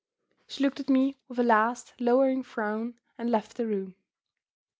She looked at me with a last lowering frown, and left the room.